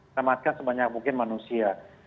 selamatkan sebanyak mungkin manusia